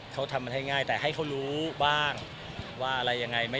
ก็ทำให้ง่ายแต่ให้เขารู้บ้าง